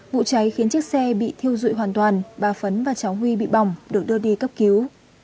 vụ cháy khiến chiếc xe bị thiêu dụi hoàn toàn bà phấn và cháu huy bị bỏng được đưa đi cấp cứu